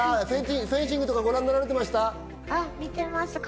フェンシングとかご覧になられてましたか？